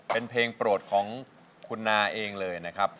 เป็นเพลงโปรดของคุณนาเองเลยนะครับ